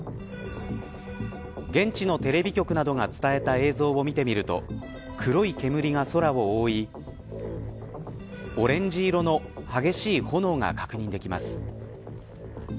現地のテレビ局などが伝えた映像を見てみると黒い煙が空を覆いオレンジ色の激しい炎が確認できます。